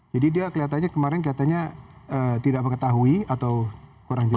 jadi dia kelihatannya kemarin kelihatannya tidak mengetahui atau kurang jelas